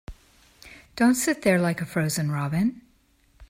Don't sit there like a frozen robin.